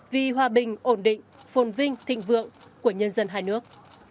vì hòa bình ổn định phồn vinh thịnh vượng của nhân dân hai nước